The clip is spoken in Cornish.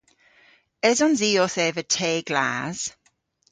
Esons i owth eva te glas?